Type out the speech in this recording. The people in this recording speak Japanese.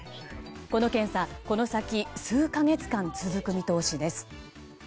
この検査、この先数か月間続く見通しです。